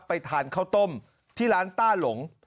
ไปทานข้าวต้มที่ร้านต้าหลง